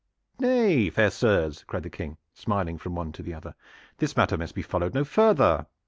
"Nay, fair sirs," cried the King, smiling from one to the other, "this matter must be followed no further.